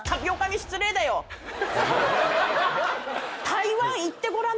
台湾行ってごらん！